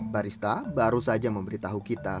barista baru saja memberitahu kita